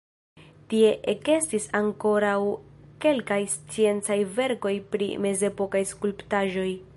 Tie ekestis ankoraŭ kelkaj sciencaj verkoj pri mezepokaj skulptaĵoj.